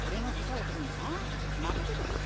まかせとけって。